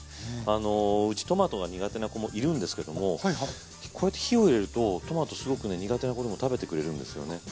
うちトマトが苦手な子もいるんですけどもこうやって火を入れるとトマトすごくね苦手な子でも食べてくれるんですよね。